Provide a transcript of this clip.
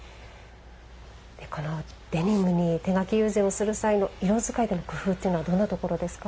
このデニムに手描き友禅をする際の、色使いと工夫というのはどんなところですか。